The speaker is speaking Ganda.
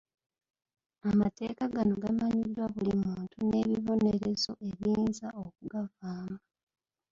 Amateeka gano gamanyiddwa buli muntu n'ebibonerezo ebiyinza okugavaamu.